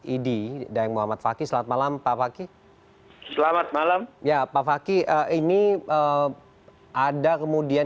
idi dayang muhammad fakih selamat malam pak fakih selamat malam ya pak fakih ini ada kemudian